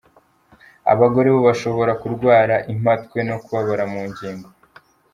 Abagore bo bashobora kurwara impatwe no kubabara mu ngingo.